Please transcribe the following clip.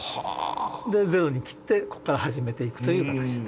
でゼロにきってここから始めていくという形になりますね。